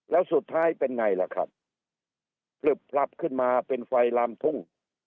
แล้วสุดท้ายเป็นไงล่ะครับพลึบพลับขึ้นมาเป็นไฟลามทุ่ง